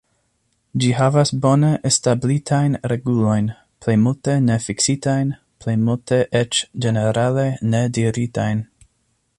Ĝi havas bone establitajn regulojn, plejmulte nefiksitajn, plejmulte eĉ ĝenerale nediritajn.